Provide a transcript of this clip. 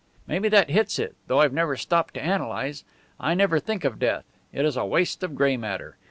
"Maybe that hits it, though I've never stopped to analyze. I never think of death; it is a waste of gray matter.